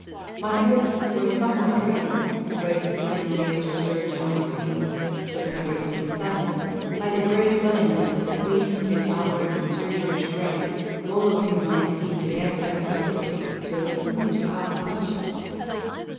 "My hopes were somewhat raised," wrote Miss Nightingale to Sir John McNeill (Sept. 27), "by the great willingness of the Queen, Prince Albert, and Sir George Grey, all of whom I have seen together and separately, to listen and to ask questions."